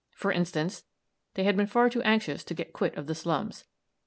For instance, they had been far too anxious to get quit of the slums.